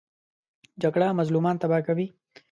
جګړه مظلومان تباه کوي